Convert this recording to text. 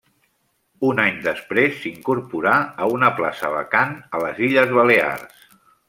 Un any després s'incorporà a una plaça vacant a les Illes Balears.